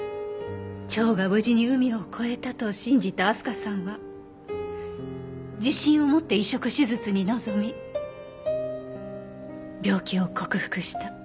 蝶が無事に海を越えたと信じたあすかさんは自信を持って移植手術に臨み病気を克服した。